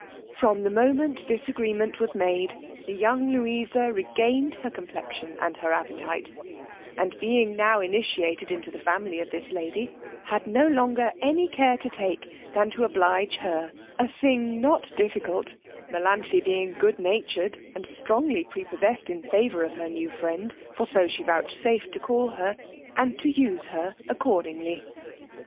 From the moment this agreement was made, the young Louisa regained her complection and her appetite; and being now initiated into the family of this lady, had no longer any care to take than to oblige her, a thing not difficult, Melanthe being good natured, and strongly prepossessed in favour of her new friend, for so she vouchsafed to call her, and to use her accordingly.